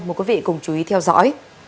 mời quý vị cùng chú ý theo dõi